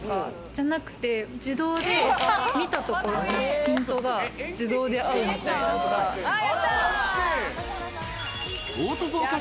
じゃなくて自動で見たところにピントが自動で合うみたいなとか。